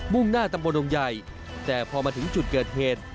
่งหน้าตำบลดงใหญ่แต่พอมาถึงจุดเกิดเหตุ